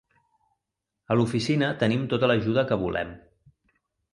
A l'oficina tenim tota l'ajuda que volem.